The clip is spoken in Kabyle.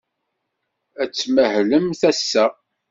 Ad tmahlemt ass-a?